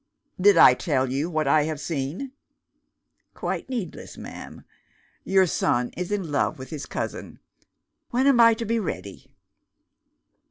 "Did I tell you what I have seen?" "Quite needless, ma'am. Your son is in love with his cousin. When am I to be ready?"